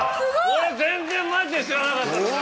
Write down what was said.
俺全然マジで知らなかったのに！